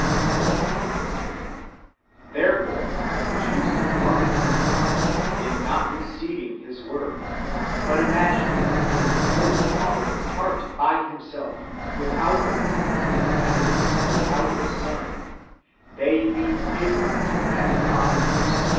4. Therefore have the Jews departed from God, in not receiving His Word, but imagining that they could know the Father [apart] by Himself, without the Word, that is, with out the Son ; they being ignorant of that God who spake in 1 Gen. XV.